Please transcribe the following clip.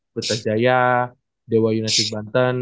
kota jaya dewa united banten